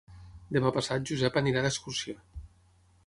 Demà passat en Josep irà d'excursió.